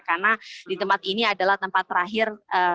karena di tempat ini adalah tempat terakhir